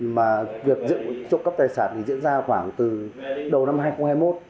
mà việc trộm cắp tài sản thì diễn ra khoảng từ đầu năm hai nghìn hai mươi một